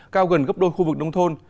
cao gần gấp đôi khu vực nông thôn